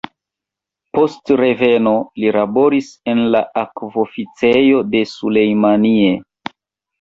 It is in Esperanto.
Post reveno, li laboris en la akv-oficejo de Sulejmanie.